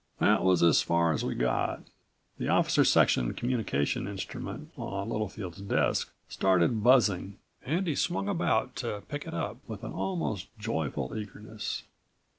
That was as far as we got. The officer section communication instrument on Littlefield's desk started buzzing and he swung about to pick it up, with an almost joyful eagerness.